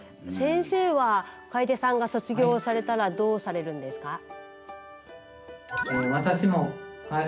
先生は楓さんが卒業されたらどうされるんですか？